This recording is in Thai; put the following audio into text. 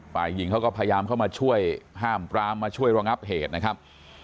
ฝ่ายหญิงเขาก็พยายามเข้ามาช่วยห้ามปรามมาช่วยระงับเหตุนะครับ